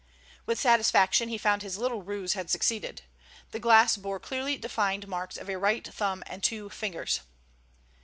With satisfaction he found his little ruse had succeeded. The glass bore clearly defined marks of a right thumb and two fingers.